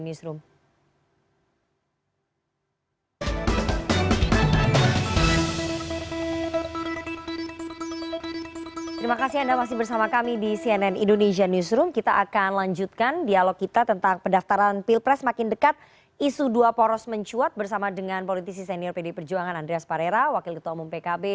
tetap bersama kami di cnn indonesian newsroom